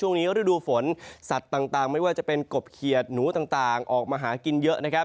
ฤดูฝนสัตว์ต่างไม่ว่าจะเป็นกบเขียดหนูต่างออกมาหากินเยอะนะครับ